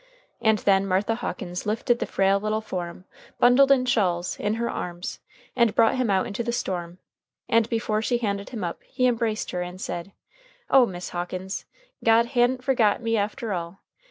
And then Martha Hawkins lifted the frail little form, bundled in shawls, in her arms, and brought him out into the storm; and before she handed him up he embraced her, and said: "O Miss Hawkins! God ha'n't forgot me, after all.